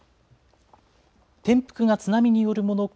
転覆が津波によるものか